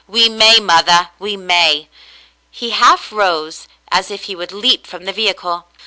"We may, mother, we may." He half rose as if he would leap from the vehicle.